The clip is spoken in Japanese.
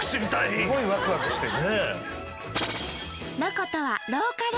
すごいワクワクしてる。